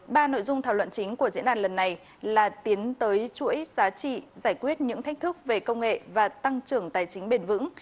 ba nội dung thảo luận chính của diễn đàn lần này là tiến tới chuỗi giá trị giải quyết những thách thức về công nghệ và tăng trưởng tài chính bền vững